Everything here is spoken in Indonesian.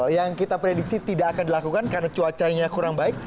yang kita prediksi tidak akan dilakukan karena cuacanya kurang baik